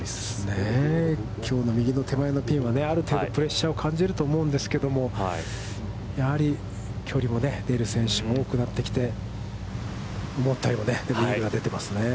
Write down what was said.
きょうの右の手前のピンはある程度、プレッシャーを感じると思うんですけども、やはり距離も出る選手が多くなってきて、思ったよりイーグルが出ていますね。